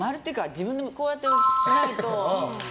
自分でこうやってしないと。